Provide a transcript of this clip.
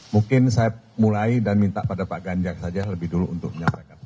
mungkin saya mulai dan minta pada pak ganjar saja lebih dulu untuk menyampaikan